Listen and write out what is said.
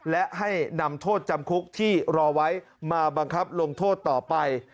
และให้นำโทษจำคุกที่รอไว้มาบังคับลงโทษต่อไป